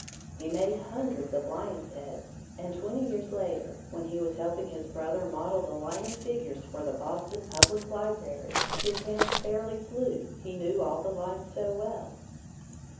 He made hundreds of lions' heads, and twenty years later, when he was helping his brother model the lion figures for the Boston Public Library, his hands fairly flew, he knew all the lines so well.